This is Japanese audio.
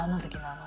あの。